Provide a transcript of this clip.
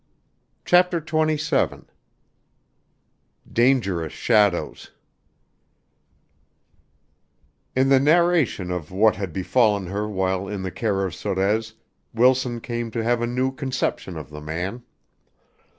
CHAPTER XXVII Dangerous Shadows In the narration of what had befallen her while in the care of Sorez, Wilson came to have a new conception of the man.